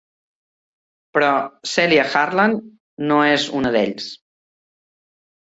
Però Celia Harland no és una d'ells.